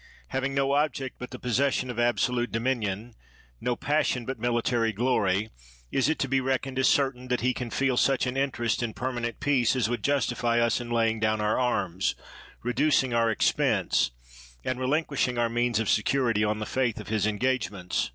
Having no object but the possession of absolute dominion, no passion but military glory, is it to be reckoned as certain that he can feel such an interest in permanent peace as would justify us in laying down our arms, reducing our expense, and re linquishing our means of security, on the faith of his engagements?